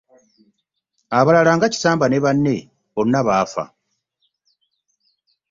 Abalala nga Kisamba ne banne bonna baafa.